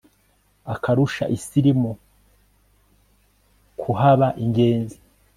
Akarusha isirimu kuhaba ingenzi